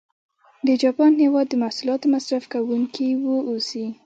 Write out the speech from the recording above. د جاپان هېواد د محصولاتو مصرف کوونکي و اوسي.